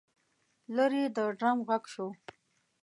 لرې د ډرم غږ شو.